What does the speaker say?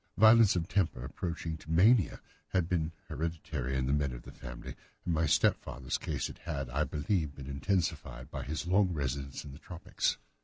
Violence of temper approaching to mania has been hereditary in the men of the family, and in my stepfather's case it had, I believe, been intensified by his long residence in the tropics.